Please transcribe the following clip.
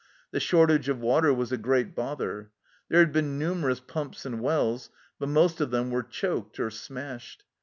The shortage of water was a great bother. There had been numerous pumps and wells, but most of them were choked or smashed.